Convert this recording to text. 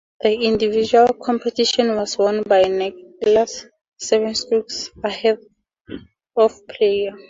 The individual competition was won by Nicklaus seven strokes ahead of Player.